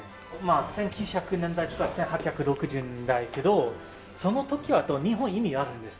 １９００年代とか１８６０年代だけどその時は日本意味あるんです。